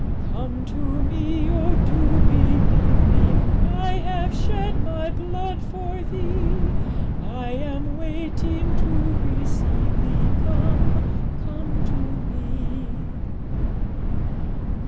'"Come to Me oh, do believe Me! I have shed My blood for thee; I am waiting to receive thee, Come, come to Me."